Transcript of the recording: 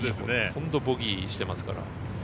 ボギーしてますから。